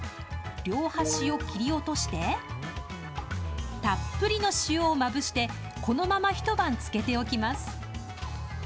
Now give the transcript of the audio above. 両端を切り落として、たっぷりの塩をまぶして、このまま一晩漬けておきます。